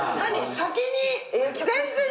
先に。